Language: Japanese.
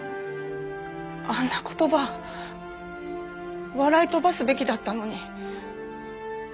あんな言葉笑い飛ばすべきだったのに。